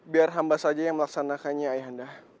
biar hamba saja yang melaksanakannya ayahanda